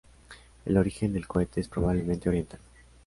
El origen del cohete es probablemente oriental.